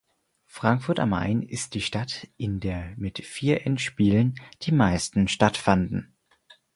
Frankfurt am Main ist die Stadt in der mit vier Endspielen die meisten stattfanden.